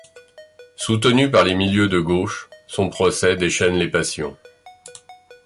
Soutenu par les milieux de gauche, son procès déchaîne les passions.